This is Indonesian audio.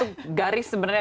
itu garis sebenarnya